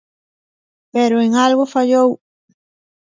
Pero en algo fallou.